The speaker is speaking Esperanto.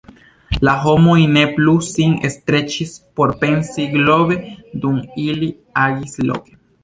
La homoj ne plu sin streĉis por pensi globe dum ili agis loke.